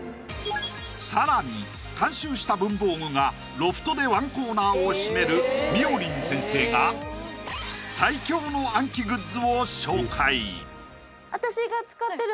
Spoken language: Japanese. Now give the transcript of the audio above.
更に監修した文房具がロフトでワンコーナーを占めるみおりん先生が最強の暗記グッズを紹介